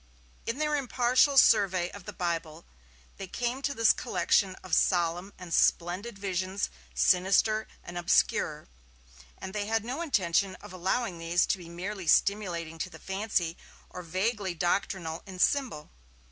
In their impartial survey of the Bible, they came to this collection of solemn and splendid visions, sinister and obscure, and they had no intention of allowing these to be merely stimulating to the fancy, or vaguely doctrinal in symbol.